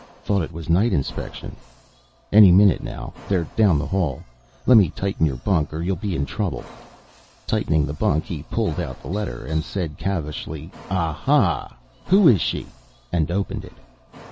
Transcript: "Thought it was night inspection." "Any minute now. They're down the hall. Lemme tighten your bunk or you'll be in trouble " Tightening the bunk he pulled out the letter and said, calvishly: "Ah hah! Who is she? " and opened it.